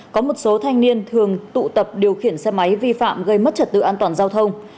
có một số thanh niên thường tụ tập điều khiển xe máy vi phạm gây mất trật tự an toàn giao thông